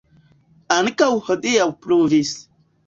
Ankaŭ hodiaŭ pluvis.